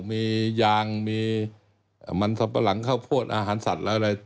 มียางมีมันสับปะหลังข้าวโพดอาหารสัตว์อะไร